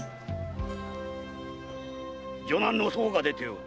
女難の相が出ておる！